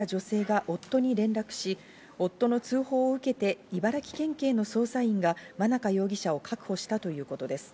車を途中で降りた女性が夫に連絡し、夫の通報を受けて、茨城県警の捜査員が間中容疑者を確保したということです。